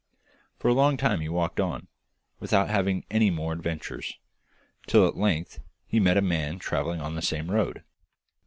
For a long time he walked on, without having any more adventures, till at length he met a man travelling on the same road.